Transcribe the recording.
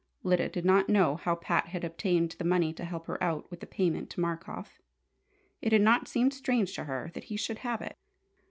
Lyda did not know how Pat had obtained the money to help her out with the payment to Markoff. It had not seemed strange to her that he should have it.